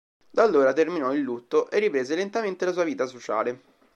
Da allora terminò il lutto e riprese lentamente la sua vita sociale.